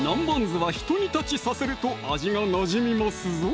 酢は一煮立ちさせると味がなじみますぞ